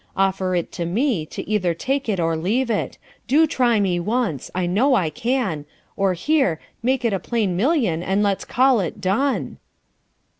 Offer it to me, to either take it or leave it. Do try me once: I know I can: or here, make it a plain million and let's call it done."